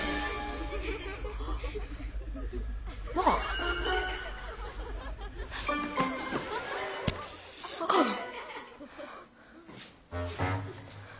ああ。